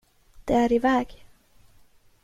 Det är iväg.